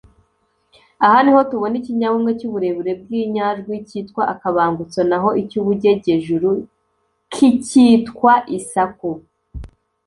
Aha niho tubona ikinyabumwe cy’uburebure bw’inyajwi cyitwa Akabangutso naho icy’ubujyejyejuru kicyitwa Isakû.